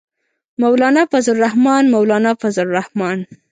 مولانا فضل الرحمن، مولانا فضل الرحمن.